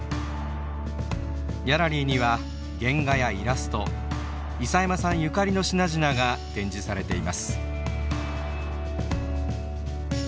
ギャラリーには原画やイラスト諫山さんゆかりの品々が展示されています。